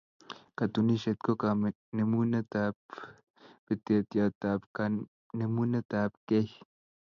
Katunisyet ko kanemunetab peteyotab kanemunetabgei.